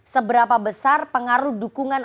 seberapa besar pengaruh dukungan